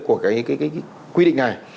của cái quy định này